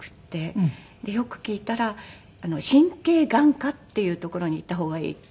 でよく聞いたら神経眼科っていう所に行った方がいいって。